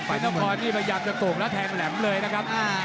นครนี่พยายามจะโก่งแล้วแทงแหลมเลยนะครับ